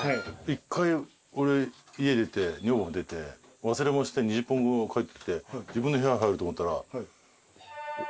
一回俺家出て女房が出て忘れ物して２０分後帰ってきて自分の部屋入ろうと思ったら。